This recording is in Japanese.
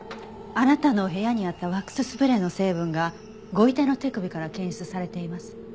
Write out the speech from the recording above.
あなたの部屋にあったワックススプレーの成分がご遺体の手首から検出されています。